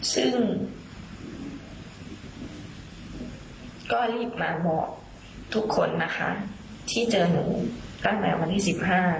ซึ่งก็รีบมาบอกทุกคนนะคะที่เจอหนูตั้งแต่วันที่สิบห้า